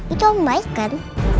itu om baikan